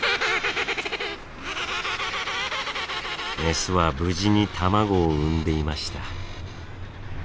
メスは無事に卵を産んでいました。